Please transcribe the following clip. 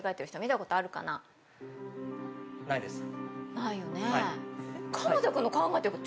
ないよね。